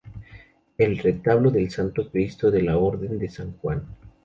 El retablo del Santo Cristo de la Orden de San Juan.